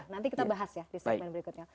nanti kita bahas ya di segmen berikutnya